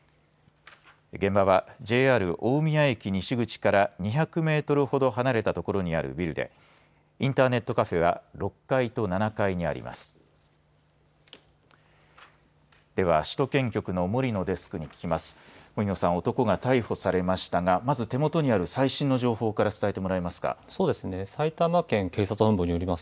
現場はＪＲ大宮西口から２００メートルほど離れた所にあるビルでインターネットカフェは６階と７階にあります。